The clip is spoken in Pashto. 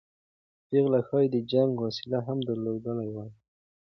پېغلې ښایي د جنګ وسله هم درلودلې وای.